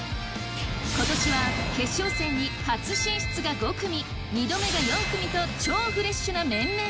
ことしは決勝戦に初進出が５組２度目が４組と超フレッシュな面々！